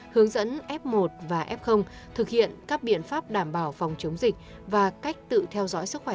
hướng dẫn f một và f thực hiện các biện pháp đảm bảo phòng chống dịch và cách tự theo dõi sức khỏe